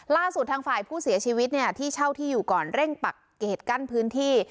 ล่าสุดทางฝ่ายผู้เสียชีวิตเนี่ยที่เช่าที่อยู่ก่อนเร่งปักเกรดกั้นพื้นที่